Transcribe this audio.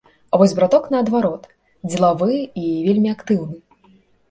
А вось браток наадварот дзелавы і вельмі актыўны.